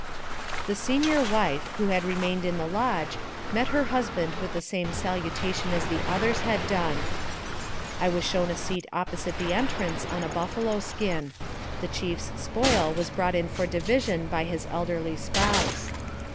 The senior wife, who had remained in the lodge, met her husband with the same salutation as the others had done. I was shown a seat opposite the entrance on a buffalo skin. The chief's spoil was brought in for division by his elderly spouse.